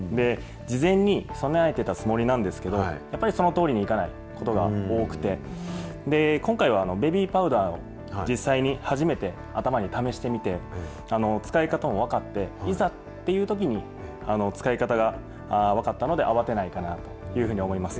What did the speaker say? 事前に備えていたつもりなんですけど、やっぱりそのとおりにいかないことが多くて、今回は、ベビーパウダーを、実際に初めて頭に試してみて、使い方も分かって、いざっていうときに、使い方が分かったので、慌てないかなというふうに思います。